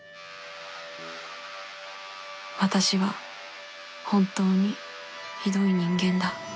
私は本当にひどい人間だ